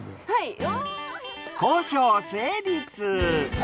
はい。